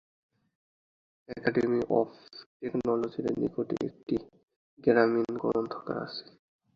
Academy of টেকনোলজির নিকটে একটি গ্রামীণ গ্রন্থাগার আছে।